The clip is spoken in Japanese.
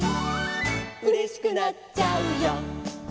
「うれしくなっちゃうよ」